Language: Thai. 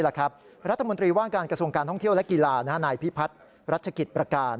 รัฐมนตรีว่าการกระทรวงการท่องเที่ยวและกีฬานายพิพัฒน์รัชกิจประการ